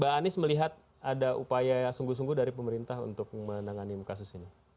mbak anies melihat ada upaya sungguh sungguh dari pemerintah untuk menangani kasus ini